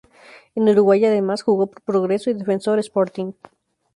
En Uruguay además jugó por Progreso y Defensor Sporting.